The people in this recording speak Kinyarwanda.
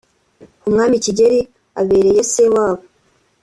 umwami Kigeli abereye se wabo